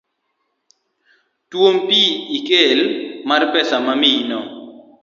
Tuom pi ikel mar pesa mamiyino